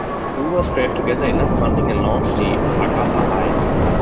Hoover scraped together enough funding and launched the "Arcata Eye".